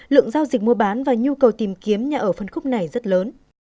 lượng giao dịch mua bán và nhu cầu tìm kiếm nhà ở phân khúc này rất lớn